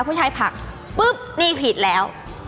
ผู้ชายผักปุ๊บนี่ผิดแล้ว